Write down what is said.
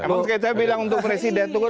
emang saya bilang untuk presiden